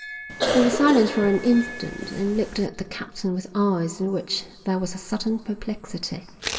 He was silent for an instant and looked at the captain with eyes in which there was a sudden perplexity.